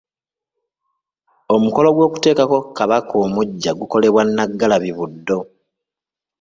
Omukolo gw'okutekako kabaka omuggya gukolebwa Nnaggalabi- Buddo.